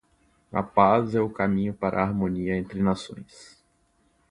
A paz é o caminho para a harmonia entre nações.